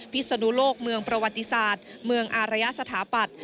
ศนุโลกเมืองประวัติศาสตร์เมืองอารยสถาปัตย์